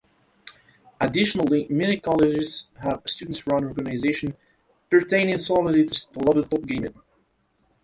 Additionally, many colleges have student run organizations pertaining solely to table top gaming.